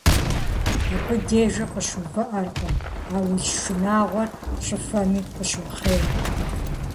Абы дежи къыщыувыӀэркъым, а уз шынагъуэр щӀыфэми къыщохъей.